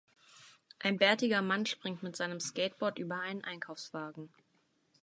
Ein bärtiger Mann springt mit seinem Skateboard über einen Einkaufswagen.